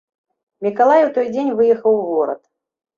Мікалай у той дзень выехаў у горад.